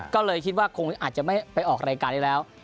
ก็เลยคิดว่าคงอาจจะไม่ไปออกรายการได้แล้ว